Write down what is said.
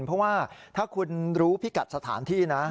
เพราะว่าถ้าคุณรู้พิกัดสถานที่นะ